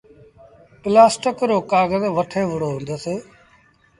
پلآسٽڪ رو ڪآگز وٺي وُهڙو هُندس۔